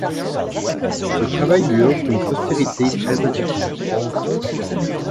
Ce travail lui offre une postérité très importante.